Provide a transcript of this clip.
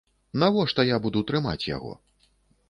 Навошта я буду трымаць яго?